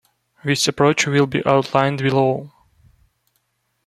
This approach will be outlined below.